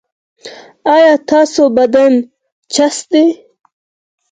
ایا ستاسو بدن چست دی؟